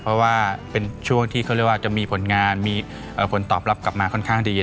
เพราะว่าเป็นช่วงที่เขาเรียกว่าจะมีผลงานมีผลตอบรับกลับมาค่อนข้างดี